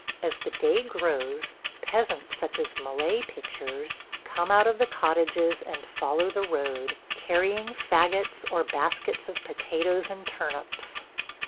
As the day grows peasants such as Millet pictures come out of the cottages and follow the road, carrying fagots or baskets of potatoes and turnips.